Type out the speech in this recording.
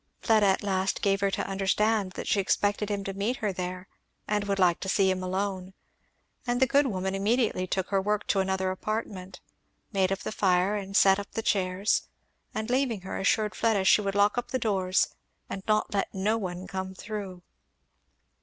Fleda at last gave her to understand that she expected him to meet her there and would like to see him alone; and the good woman immediately took her work into another apartment, made up the fire and set up the chairs, and leaving her assured Fleda she would lock up the doors "and not let no one come through."